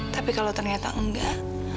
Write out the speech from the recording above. tapi kalau ternyata enggak